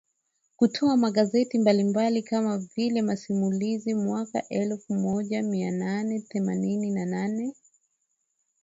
Kutoa magazeti mbalimbali kama vile masimulizi mwaka elfumoja mianane themanini na nane